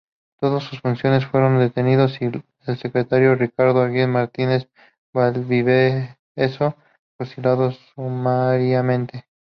Todos sus funcionarios fueron detenidos, y el secretario, Ricardo Aguirre Martínez-Valdivieso, fusilado sumariamente.